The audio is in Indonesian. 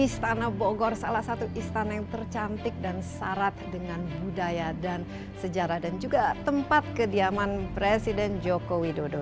syarat dengan budaya dan sejarah dan juga tempat kediaman presiden jokowi dodo